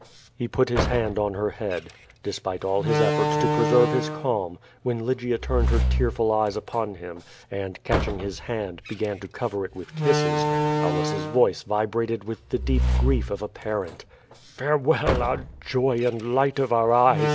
He put his hand on her head. Despite all his efforts to preserve his calm, when Lygia turned her tearful eyes upon him, and, catching his hand, began to cover it with kisses, Aulus's voice vibrated with tlie deep grief of a parent. "FarcAvell, our joy and light of our eyes!"